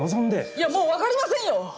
いやもう分かりませんよ！